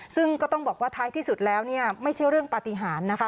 ซึ่งก็ต้องบอกว่าท้ายที่สุดแล้วเนี่ยไม่ใช่เรื่องปฏิหารนะคะ